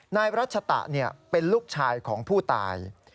นายรัชตะเป็นลูกชายของผู้ตาย